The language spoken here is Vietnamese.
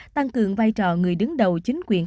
tăng cường vai trò người đứng đầu chính quyền